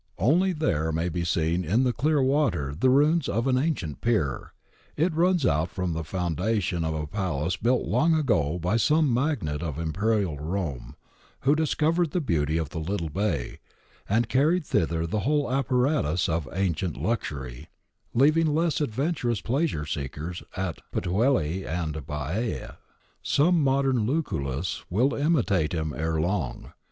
Only there may be seen in the clear water the ruins of an ancient pier. It runs out from the founda tions of a palace built long ago by some magnate of Imperial Rome, who discovered the beauty of the little bay, and carried thither the whole apparatus of ancient luxury, leaving less adventurous pleasure seekers at Puteoli and Baiae. Some modern Lucullus will imitate him ere long.